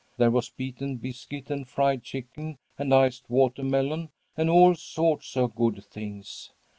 There was beaten biscuit and fried chicken and iced watermelon, and all sorts of good things.